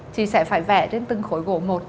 chị sẽ phải vẽ trên từng khối gỗ một